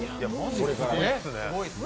これからね。